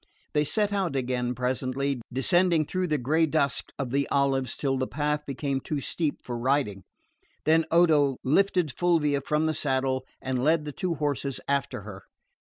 They set out again presently, descending through the grey dusk of the olives till the path became too steep for riding; then Odo lifted Fulvia from the saddle and led the two horses after her.